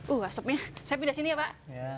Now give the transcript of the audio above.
uh asapnya saya pindah sini ya pak